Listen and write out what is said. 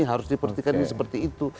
harus dipertikan seperti itu